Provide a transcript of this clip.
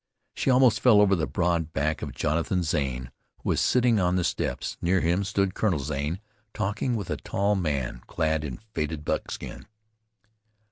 She almost fell over the broad back of Jonathan Zane who was sitting on the steps. Near him stood Colonel Zane talking with a tall man clad in faded buckskin.